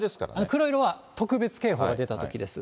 黒色は特別警報が出たときです。